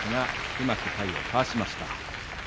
うまく最後、体をかわしました。